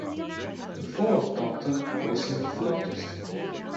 The Fourth Doctor calls him the flautist.